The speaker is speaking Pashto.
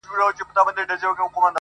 ستا شامت به مي په پاکو وینو کښېوزي،